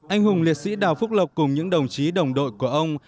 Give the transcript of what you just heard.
anh hùng liệt sĩ đào phúc lộc cùng những đồng chí đồng đội của ông